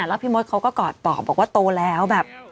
แล้วพี่มดเขาก็กอดปอบบอกว่าโตแล้วแบบ